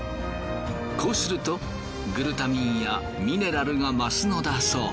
こうするとグルタミンやミネラルが増すのだそう。